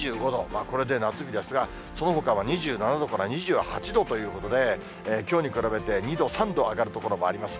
これで夏日ですが、そのほかは２７度から２８度ということで、きょうに比べて、２度、３度上がる所もあります。